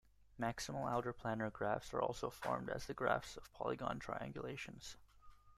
Maximal outerplanar graphs are also formed as the graphs of polygon triangulations.